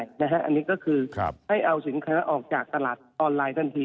อันนี้ก็คือให้เอาสินค้าออกจากตลาดออนไลน์ทันที